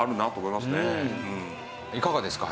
いかがですか？